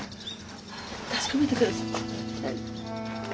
確かめて下さい。